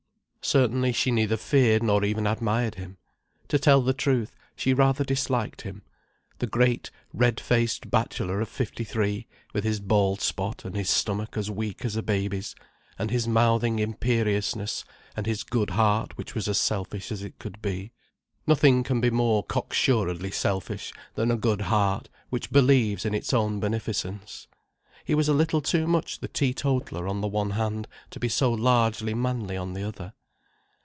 Certainly she neither feared nor even admired him. To tell the truth, she rather disliked him: the great, red faced bachelor of fifty three, with his bald spot and his stomach as weak as a baby's, and his mouthing imperiousness and his good heart which was as selfish as it could be. Nothing can be more cocksuredly selfish than a good heart which believes in its own beneficence. He was a little too much the teetotaller on the one hand to be so largely manly on the other.